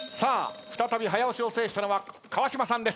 再び早押しを制したのは川島さんです。